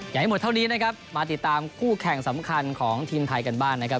ยังไม่หมดเท่านี้นะครับมาติดตามคู่แข่งสำคัญของทีมไทยกันบ้างนะครับ